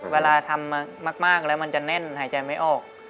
เวลาทำมากแล้วมันจะแน่นหายใจไม่ออก